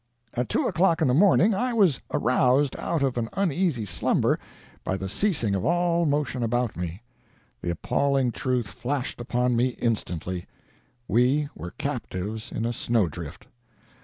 "At two o'clock in the morning I was aroused out of an uneasy slumber by the ceasing of all motion about me. The appalling truth flashed upon me instantly we were captives in a snow drift!